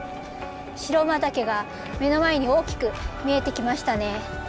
白馬岳が目の前に大きく見えてきましたね。